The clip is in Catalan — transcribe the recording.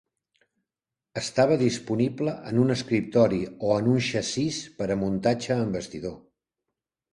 Estava disponible en un escriptori o en un xassís per a muntatge en bastidor.